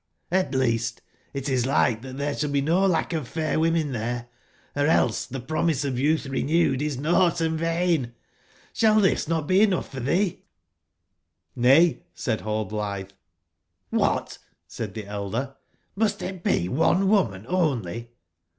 Ht least, it is like tbat tbere sball beno lack of fair women tberc: or else tbe promise of youtb renewed is nougbt and vain. Sball tbis not be enougb for tbee?" jj^'^JVay," said Hallblitbe. ''Cdbat," said tbe elder, ''must it be one woman only?"